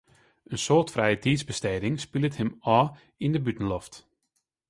In soad frijetiidsbesteging spilet him ôf yn de bûtenloft.